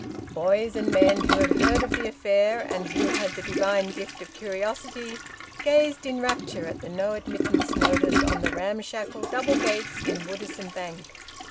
Boys and men who had heard of the affair, and who had the divine gift of curiosity, gazed in rapture at the `No Admittance' notice on the ramshackle double gates in Woodisun Bank.